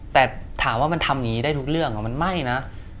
แต่ถามว่ามันทำอย่างนี้ได้ทุกเรื่องมันไม่นะ